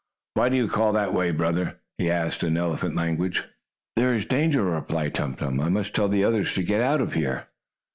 "Why do you call that way, brother?" he asked in elephant language. "There is danger," replied Tum Tum. "I must tell the others to get out of here."